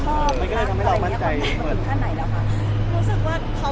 ใช่มันก็เลยทำให้เรามั่นใจมันคือข้างไหนเล่าคะ